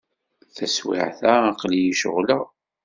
Taswiɛt-a, aql-iyi ceɣleɣ.